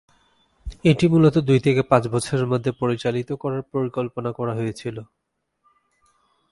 এটি মূলত দুই থেকে পাঁচ বছরের মধ্যে পরিচালিত করার পরিকল্পনা করা হয়েছিল।